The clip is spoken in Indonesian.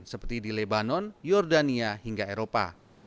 seperti di lebanon jordania hingga eropa